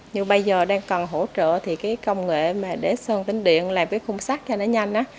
như bây giờ đang cần hỗ trợ thì công nghệ để sơn tính điện làm cái khung sắt cho nó nhanh